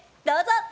どうぞ！